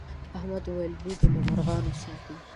احمد وويل: بوی دې له مرغانو ساتي.